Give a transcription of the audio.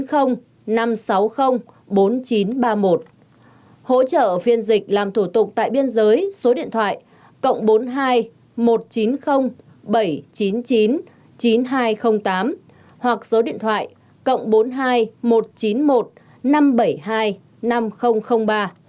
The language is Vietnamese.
hỗ trợ phiên dịch làm thủ tục tại biên giới số điện thoại cộng bốn mươi hai một trăm chín mươi bảy trăm chín mươi chín chín nghìn hai trăm linh tám hoặc số điện thoại cộng bốn mươi hai một trăm chín mươi một năm trăm bảy mươi hai năm nghìn ba